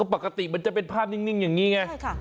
ปกติมันจะเป็นภาพนิ่งอย่างนี้ไง